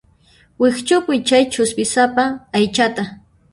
Wikch'upuy chay ch'uspisapa aychata.